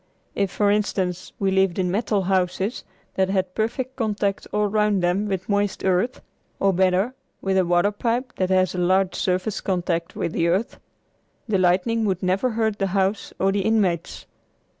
If, for instance, we lived in metal houses that had perfect contact all round them with moist earth, or better, with a water pipe that has a large surface contact with the earth, the lightning would never hurt the house or the inmates.